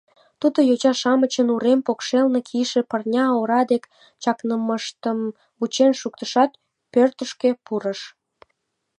Тудо йоча-шамычын урем покшелне кийыше пырня ора дек чакнымыштым вучен шуктышат, пӧртышкӧ пурыш.